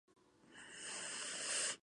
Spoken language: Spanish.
Éste ejecuta la operación "P".